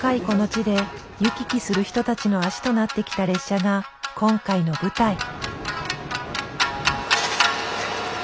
この地で行き来する人たちの足となってきた列車が今回の舞台。